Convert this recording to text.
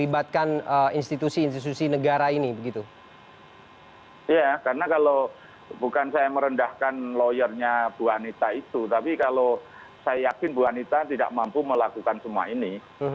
iya karena kalau bukan saya merendahkan lawyernya bu anita itu tapi kalau saya yakin bu anita tidak mampu melakukan semua ini